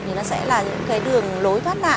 thì nó sẽ là cái đường lối thoát nạn